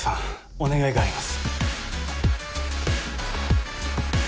お願いがあります